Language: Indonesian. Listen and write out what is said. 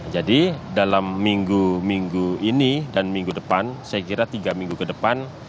jadi dalam minggu minggu ini dan minggu depan saya kira tiga minggu ke depan